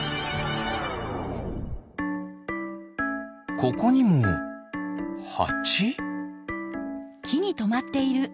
ここにもハチ？